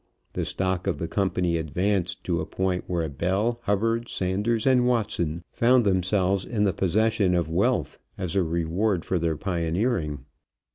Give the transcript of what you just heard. The stock of the company advanced to a point where Bell, Hubbard, Sanders, and Watson found themselves in the possession of wealth as a reward for their pioneering.